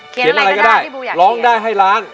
เขียนอะไรก็ได้ร้องได้ให้ล้าน